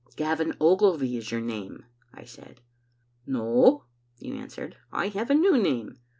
"* Gavin Ogilvy is your name,' I said. *No,' you an swered, *I have a new name.